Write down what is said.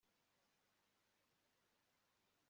naravuze nti ngiye kubwira uhoraho ibicumuro byanjye